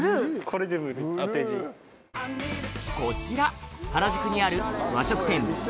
こちら原宿にある和食店